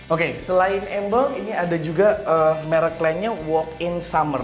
oke selain emble ini ada juga merek lainnya walk in summer